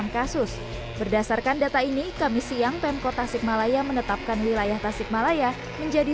tujuh ratus lima puluh enam kasus berdasarkan data ini kami siang pemko tasikmalaya menetapkan wilayah tasikmalaya menjadi